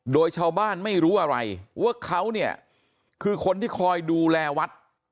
โดยชาวบ้านไม่รู้อะไรว่าเขาเนี่ยคือคนที่คอยดูแลวัด